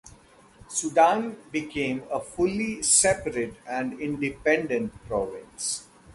Sudan became a fully separate and independent province.